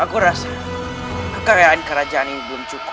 aku rasa kekayaan kerajaan ini belum cukup